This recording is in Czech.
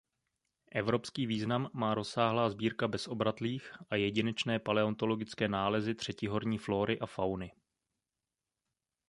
Evropský význam má rozsáhlá sbírka bezobratlých a jedinečné paleontologické nálezy třetihorní flóry a fauny.